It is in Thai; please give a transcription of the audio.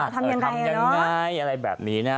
ทำยังไงอะไรแบบนี้นะ